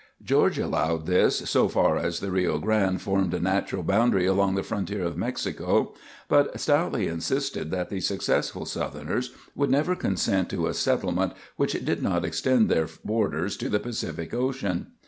George allowed this so far as the Rio Grande formed a natural boundary along the frontier of Mexico, but stoutly insisted that the successful Southerners would never consent to a settlement which did not extend their borders to the Pacific Ocean.